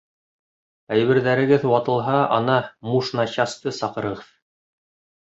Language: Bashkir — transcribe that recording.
Әйберҙәрегеҙ ватылһа, ана «муж на час»ты саҡырығыҙ!